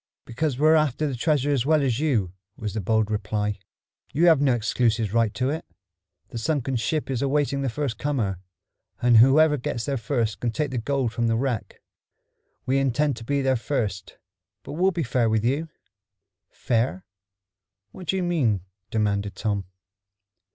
"Because we're after that treasure as well as you," was the bold reply. "You have no exclusive right to it. The sunken ship is awaiting the first comer, and whoever gets there first can take the gold from the wreck. We intend to be there first, but we'll be fair with you." "Fair? What do you mean?" demanded Tom.